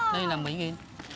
đây là mấy nghìn